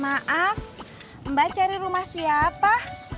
maaf mbak cari rumah siapa